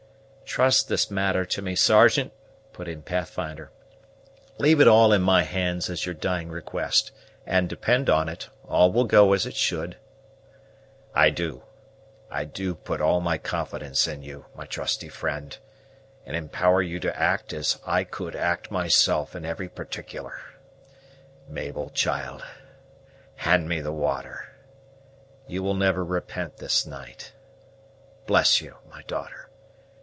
"Trust this matter to me, Sergeant," put in Pathfinder; "leave it all in my hands as your dying request; and, depend on it, all will go as it should." "I do, I do put all confidence in you, my trusty friend, and empower you to act as I could act myself in every particular. Mabel, child, hand me the water, you will never repent this night. Bless you, my daughter!